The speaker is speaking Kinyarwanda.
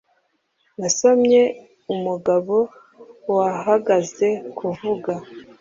Nasomye umugabo wahagaze kuvuga